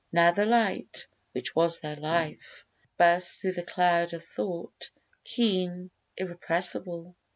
Now the light, Which was their life, burst through the cloud of thought Keen, irrepressible.